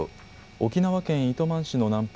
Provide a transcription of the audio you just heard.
沖縄県糸満市の南方